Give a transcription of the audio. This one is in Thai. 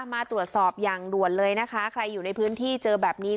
มาตรวจสอบอย่างด่วนเลยนะคะใครอยู่ในพื้นที่เจอแบบนี้